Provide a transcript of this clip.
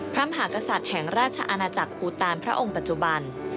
พระมหากษัตริย์แห่งราชอาณาจักรภูตานพระองค์ปัจจุบัน